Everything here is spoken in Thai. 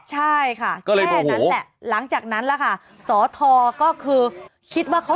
ใช่ค่ะแค่นั้นแหละหลังจากนั้นแหละค่ะ